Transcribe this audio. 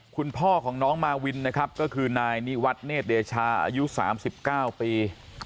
คุณพ่อของน้องมาวินนะครับก็คือนายนิวัตเนธเดชาอายุ๓๙ปี